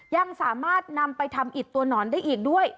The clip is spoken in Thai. ยังสามารถนำไปทำอิดตัวหนอนได้อีกด้วย